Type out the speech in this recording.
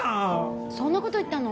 そんなこと言ったの？